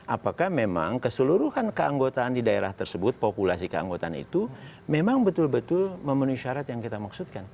apakah memang keseluruhan keanggotaan di daerah tersebut populasi keanggotaan itu memang betul betul memenuhi syarat yang kita maksudkan